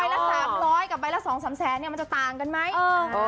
ใบละสามร้อยกับใบละสองสามแสนเนี้ยมันจะต่างกันไหมเออ